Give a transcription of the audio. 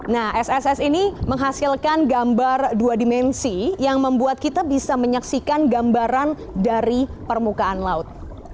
nah sss ini menghasilkan gambar dua dimensi yang membuat kita bisa menyaksikan gambaran dari permukaan laut